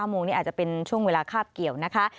โมงนี้อาจจะเป็นช่วงเวลาคาบเกี่ยวนะคะ